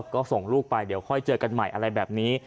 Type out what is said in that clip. ก็ส่งลูกไปเดี๋ยวค่อยเจอกันใหม่อะไรแบบนี้